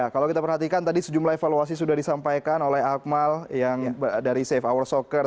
kalau kita perhatikan tadi sejumlah evaluasi sudah disampaikan oleh akmal yang dari safe hour soccer